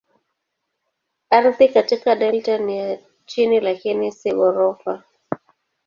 Ardhi katika delta ni ya chini lakini si ghorofa.